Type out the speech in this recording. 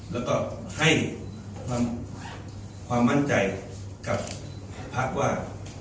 แล้วก็ให้ความมั่นใจกับพักว่า